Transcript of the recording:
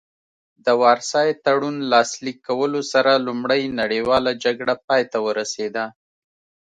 د وارسای تړون لاسلیک کولو سره لومړۍ نړیواله جګړه پای ته ورسیده